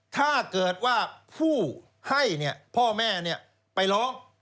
ถ้าเกิดว่าผู้ให้พ่อแม่ไปร้อง